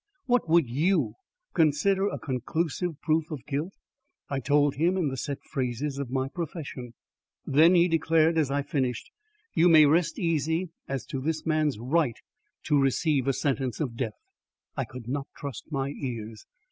What would YOU consider a conclusive proof of guilt?" I told him in the set phrases of my profession. "Then," he declared as I finished, "you may rest easy as to this man's right to receive a sentence of death." I could not trust my ears.